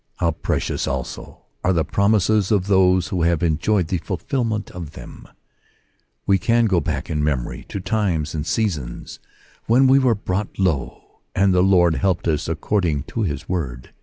How precious, also, are the promises, to those who have enjoyed the fulfilment of them ! We can go back in memory to times and seasons when we were brought low, and the Lord helped us according to his word.